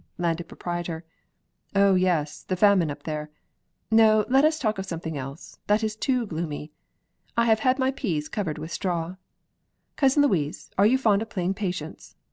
Landed Proprietor Oh yes, the famine up there. No, let us talk of something else; that is too gloomy. I have had my peas covered with straw. Cousin Louise, are you fond of playing Patience?